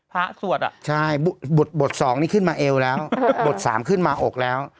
สวดอ่ะใช่บท๒นี่ขึ้นมาเอวแล้วบท๓ขึ้นมาอกแล้ว